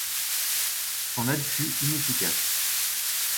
Son aide fut inefficace.